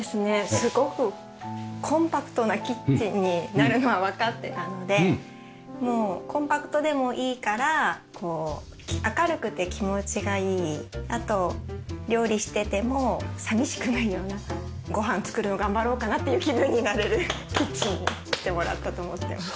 すごくコンパクトなキッチンになるのはわかってたのでもうコンパクトでもいいから明るくて気持ちがいいあと料理してても寂しくないようなご飯作るの頑張ろうかなっていう気分になれるキッチンにしてもらったと思ってます。